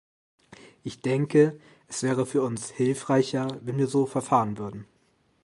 Ich denke, es wäre für uns hilfreicher, wenn wir so verfahren würden.